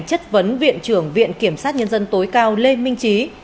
chất vấn viện trưởng viện kiểm soát dân tối cao lê minh trí